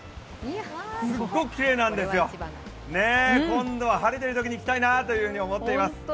すっごくきれいなんですよ。今度は晴れてるときに来たいなと思っています。